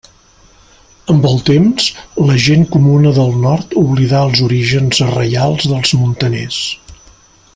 Amb el temps, la gent comuna del nord oblidà els orígens reials dels muntaners.